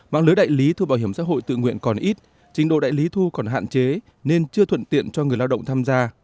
mạng lưới đại lý thu bảo hiểm xã hội tự nguyện còn ít trình độ đại lý thu còn hạn chế nên chưa thuận tiện cho người lao động tham gia